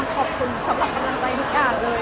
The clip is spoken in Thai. ขอบคุณสำหรับกำลังใจทุกอย่างเลย